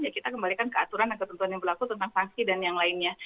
ya kita kembalikan ke aturan dan ketentuan yang berlaku tentang sanksi dan yang lainnya